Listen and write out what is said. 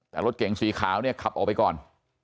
แต่รถเก่งสีขาวเนี่ยขับออกไปก่อน